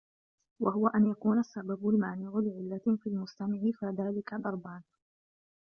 وَهُوَ أَنْ يَكُونَ السَّبَبُ الْمَانِعُ لِعِلَّةٍ فِي الْمُسْتَمِعِ فَذَلِكَ ضَرْبَانِ